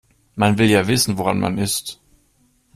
Man will ja wissen, woran man ist.